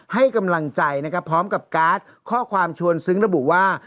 ให้กำลังใจนะครับพร้อมกับการ์ดข้อความชวนซึ้งระบุว่า